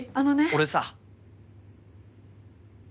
俺さ。